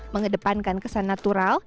mengedepankan kesan natural